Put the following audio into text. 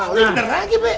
bener lagi bek